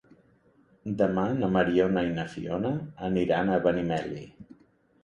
Demà na Mariona i na Fiona aniran a Benimeli.